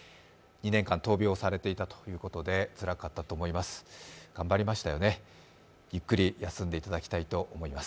２年間、闘病をされていたということで、つらかったと思います。